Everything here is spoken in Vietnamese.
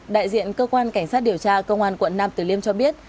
đại diện cơ quan cảnh sát điều tra công an quận nam tử liêm cho biết